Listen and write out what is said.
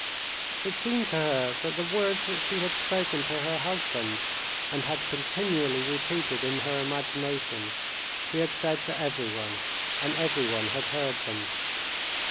It seemed to her that the words that she had spoken to her husband, and had continually repeated in her imagination, she had said to everyone, and everyone had heard them.